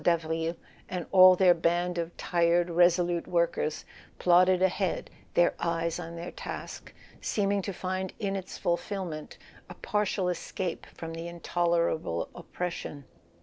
Davril, and all their band of tired resolute workers —plodded ahead, their eyes on their task, seeming to find in its fulfillment a partial escape from the in¬ tolerable oppression.